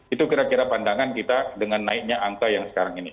itu kira kira pandangan kita dengan naiknya angka yang sekarang ini